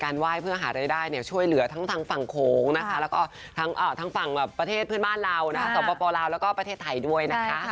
ถ้ารู้ว่าร่างกายไม่ไหวเราก็เลื่อนนิดนึงมั้ย